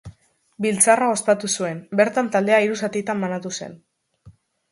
Biltzarra ospatu zuen, bertan taldea hiru zatitan banatu zen.